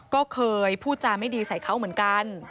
ก็เคยพูดจาไม่ดีใส่เขาเหมือนกัน